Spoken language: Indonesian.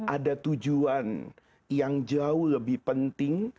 ada tujuan yang jauh lebih penting